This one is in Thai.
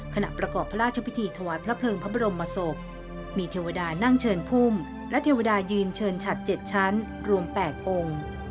ขณะประกอบพระราชพิธีถวายพระเพลิงพระบรมศพมีเทวดานั่งเชิญพุ่มและเทวดายืนเชิญฉัด๗ชั้นรวม๘องค์